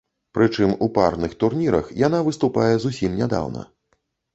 Прычым у парных турнірах яна выступае зусім нядаўна.